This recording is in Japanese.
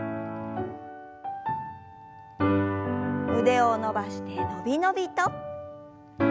腕を伸ばしてのびのびと。